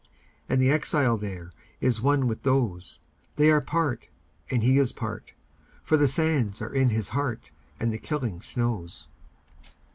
And the exile thereIs one with those; They are part, and he is part, For the sands are in his heart, And the killing snows.